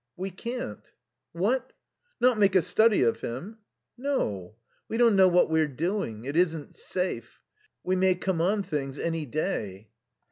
"We can't." "What? Not make a study of him?" "No. We don't know what we're doing. It isn't safe. We may come on things any day."